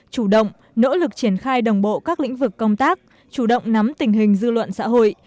chủ động nỗ lực triển khai đồng bộ các lĩnh vực công tác chủ động nắm tình hình dư luận xã hội